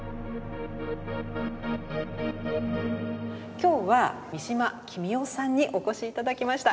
今日は三島喜美代さんにお越し頂きました。